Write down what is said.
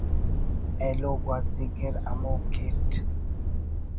ایلو گوازی گر ہمو کیٹ